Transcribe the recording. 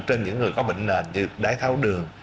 trên những người có bệnh nền như đái tháo đường